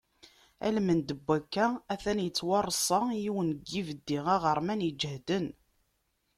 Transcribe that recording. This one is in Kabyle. Almend n wakka, atan yettwareṣṣa yiwen n yibeddi aɣerman iǧehden.